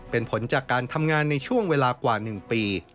เป็นผลจากการทำงานในช่วงเวลากว่า๑ปี